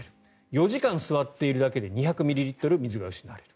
４時間座っているだけで２００ミリリットル失われる。